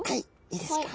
いいですか。